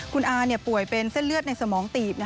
คุณอาป่วยเป็นเส้นเลือดในสมองตีบ